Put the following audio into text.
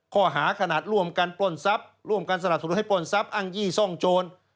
ข้อหาขนาดร่วมกันปล้นทรัพย์ร่วมกันสนับสนุนให้ปล้นทรัพย์อ้างยี่ซ่องโจร